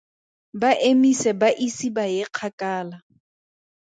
Ba emisa ba ise ba ye kgakala.